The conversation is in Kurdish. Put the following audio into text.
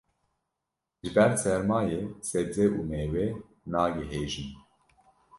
Ji ber sermayê sebze û mêwe nagihêjin.